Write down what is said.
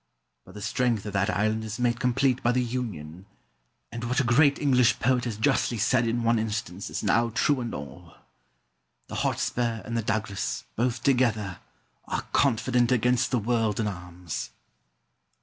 But the strength of that island is made complete by the Union, and what a great English poet has justly said in one instance is now true in all: "The Hotspur and the Douglas, both together, Are confident against the world in arms."